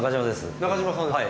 中嶋さんですか？